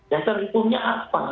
dasar hukumnya apa